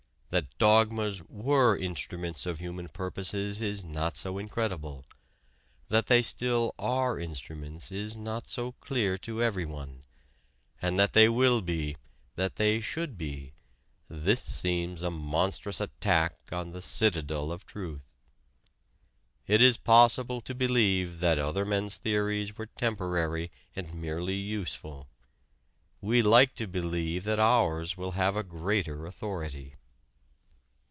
That dogmas were instruments of human purposes is not so incredible; that they still are instruments is not so clear to everyone; and that they will be, that they should be this seems a monstrous attack on the citadel of truth. It is possible to believe that other men's theories were temporary and merely useful; we like to believe that ours will have a greater authority.